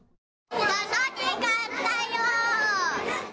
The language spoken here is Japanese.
楽しかったよ。